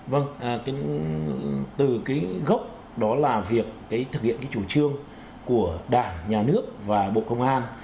vâng từ cái gốc đó là việc thực hiện cái chủ trương của đảng nhà nước và bộ công an